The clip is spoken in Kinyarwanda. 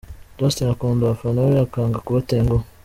Justin akunda abafana be akanga kubatenguha.